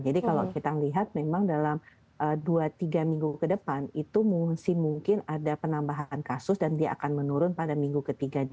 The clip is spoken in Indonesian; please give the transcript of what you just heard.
jadi kalau kita lihat memang dalam dua tiga minggu ke depan itu mungkin ada penambahan kasus dan dia akan menurun pada minggu ketiga di bulan januari